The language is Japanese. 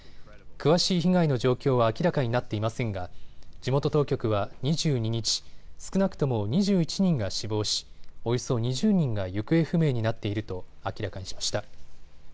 詳しい被害の状況は明らかになっていませんが地元当局は２２日、少なくとも２１人が死亡し、およそ２０人が行方不明になっていると明らかにしました。